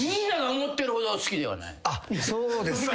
あっそうですか。